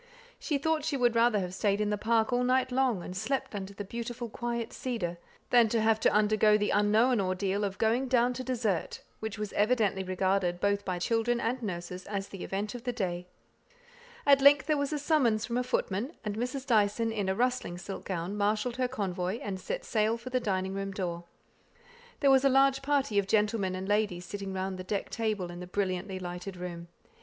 She thought she would rather have stayed in the park all night long, and slept under the beautiful quiet cedar, than have to undergo the unknown ordeal of "going down to dessert," which was evidently regarded both by children and nurses as the event of the day. At length there was a summons from a footman, and Mrs. Dyson, in a rustling silk gown, marshalled her convoy, and set sail for the dining room door. There was a large party of gentlemen and ladies sitting round the decked table, in the brilliantly lighted room.